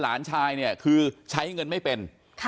หลานชายเนี่ยคือใช้เงินไม่เป็น